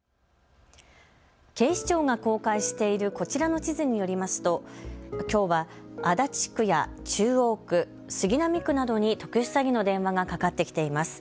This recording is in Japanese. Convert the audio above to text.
警視庁が公開しているこちらの地図によりますときょうは足立区や中央区、杉並区などに特殊詐欺の電話がかかってきています。